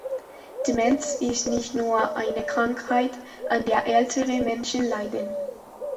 Demenz ist nicht nur eine Krankheit, an der ältere Menschen leiden.